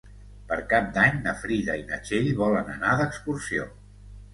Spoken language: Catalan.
Per Cap d'Any na Frida i na Txell volen anar d'excursió.